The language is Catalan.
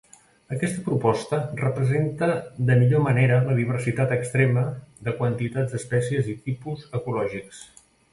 Aquesta proposta representa de millor manera la diversitat extrema de quantitats d'espècies i tipus ecològics.